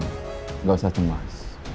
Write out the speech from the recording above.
nggak usah cemas